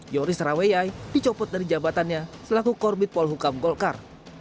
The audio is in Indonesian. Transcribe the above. yoris rawaiyai dicopot dari jabatannya selaku korbit pohuka golkar